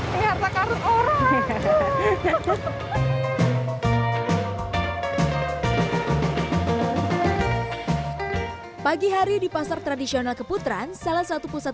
hai harta karun orang pagi hari di pasar tradisional keputaran salah satu pusat